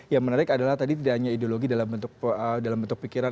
yang menarik adalah tadi tidak hanya ideologi dalam bentuk pikiran